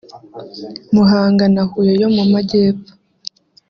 Muhanga na Huye yo mu Majyepfo